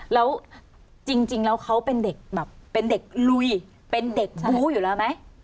แล้วจริงแล้วเขาเป็นเด็กแบบเป็นเด็กลุยเป็นเด็กบู้อยู่แล้วไหม